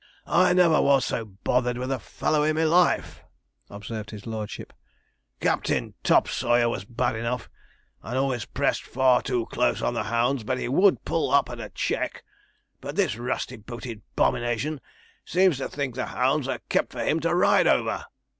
'I never was so bothered with a fellow in my life,' observed his lordship. 'Captain Topsawyer was bad enough, and always pressed far too close on the hounds, but he would pull up at a check; but this rusty booted 'bomination seems to think the hounds are kept for him to ride over.